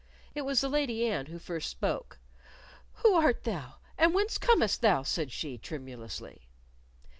It was the Lady Anne who first spoke. "Who art thou, and whence comest thou?" said she, tremulously.